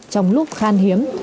trong lúc khan hiếm